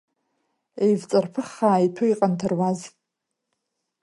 Еивҵарыԥхаа иҭәу иҟанҭаруаз…